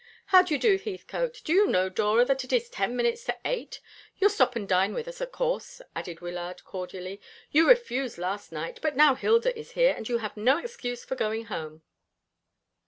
"How do you do, Heathcote? Do you know, Dora, that it is ten minutes to eight? You'll stop and dine with us, of course," added Wyllard cordially. "You refused last night; but now Hilda is here, and you have no excuse for going home."